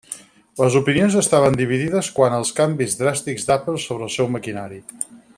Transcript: Les opinions estaven dividides quant als canvis dràstics d'Apple sobre el seu maquinari.